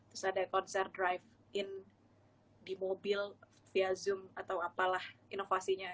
terus ada konser drive in di mobil via zoom atau apalah inovasinya